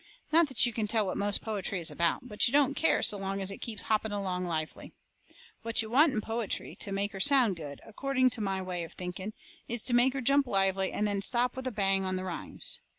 Not that you can tell what most poetry is about, but you don't care so long as it keeps hopping along lively. What you want in poetry to make her sound good, according to my way of thinking, is to make her jump lively, and then stop with a bang on the rhymes.